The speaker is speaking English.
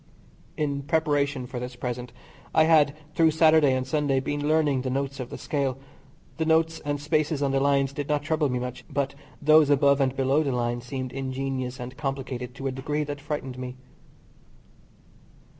In preparation for this present I had through Saturday and Sunday been learning the notes of the Scale. The notes and spaces on the lines did not trouble me much, but those above and below the line seemed ingenious and complicated to a degree that frightened me.